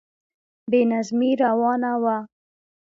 بې نظمی روانه وه.